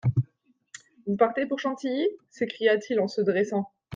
Vous partez pour Chantilly ? s'écria-t-il en se dressant.